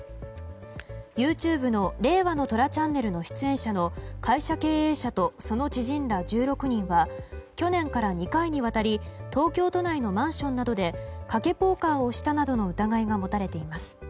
ＹｏｕＴｕｂｅの「令和の虎ＣＨＡＮＮＥＬ」の出演者の、会社経営者とその知人ら１６人は去年から２回にわたり東京都内のマンションなどで賭けポーカーをしたなどの疑いが持たれています。